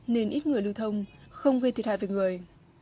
nên ít người lưu thông không gây thiệt hại về người